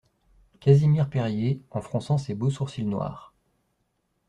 Casimir Perier, en fronçant ses beaux sourcils noirs.